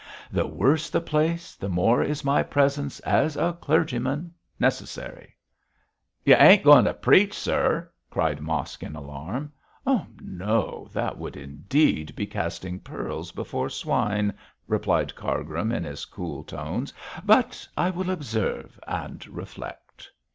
The worse the place the more is my presence, as a clergyman, necessary.' 'You ain't going to preach, sir?' cried Mosk, in alarm. 'No! that would indeed be casting pearls before swine, replied Cargrim, in his cool tones. 'But I will observe and reflect.'